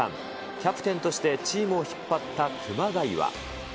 キャプテンとしてチームを引っ張った熊谷は。